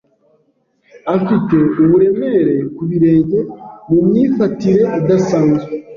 afite uburemere ku birenge mu myifatire idasanzwe